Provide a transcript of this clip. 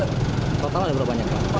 total ada berapa banyak